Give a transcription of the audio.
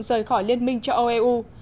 rời khỏi liên minh châu âu eu